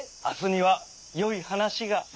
あすにはよい話が。